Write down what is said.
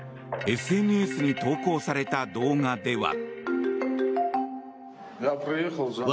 ＳＮＳに投稿された動画では。